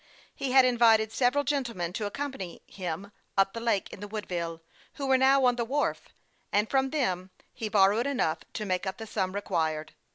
He had invited several gentlemen to accompany him up the lake in the Woodville, who were now on the wharf, and from them he borrowed enough to make up the sum required.